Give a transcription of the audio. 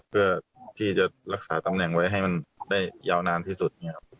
เพื่อที่จะรักษาตำแหน่งไว้ให้มันได้ยาวนานที่สุด